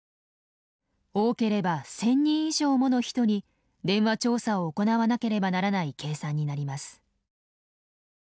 多ければ１，０００人以上もの人に電話調査を行わなければならない計算になります。